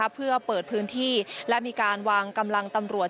เพื่อเปิดพื้นที่และมีการวางกำลังตำรวจ